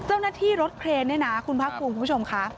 เจ้าหน้าที่รถเครนเนี่ยนะคุณภาคภูมิคุณผู้ชมค่ะ